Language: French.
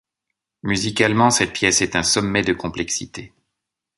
Musicalement, cette pièce est un sommet de complexité.